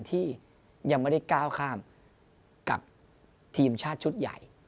ที่ยังไม่ได้ก้าวข้ามกับทีมชาติชุดใหญ่